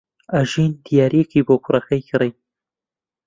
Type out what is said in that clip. ئەژین دیارییەکی بۆ کوڕەکەی کڕی.